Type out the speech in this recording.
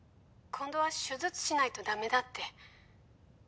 今度は手術しないとだめだって。